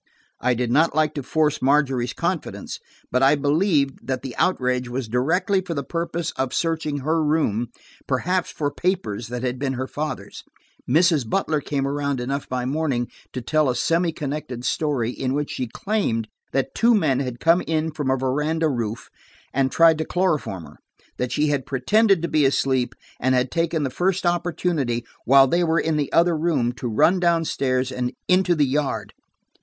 I did not like to force Margery's confidence, but I believed that the outrage was directly for the purpose of searching her room, perhaps for papers that had been her father's. Mrs. Butler came around enough by morning, to tell a semi connected story in which she claimed that two men had come in from a veranda roof, and tried to chloroform her. That she had pretended to be asleep and had taken the first opportunity, while they were in the other room, to run down stairs and into the yard.